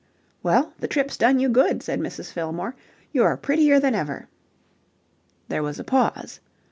"Well, the trip's done you good," said Mrs. Fillmore. "You're prettier than ever." There was a pause.